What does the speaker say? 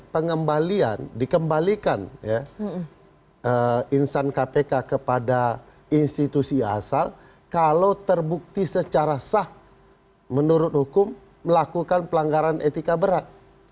pengembalian dikembalikan ya insan kpk kepada institusi asal kalau terbukti secara sah menurut hukum melakukan pelanggaran etika berat